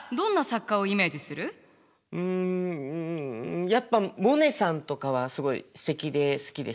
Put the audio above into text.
うんやっぱモネさんとかはすごいすてきで好きですね。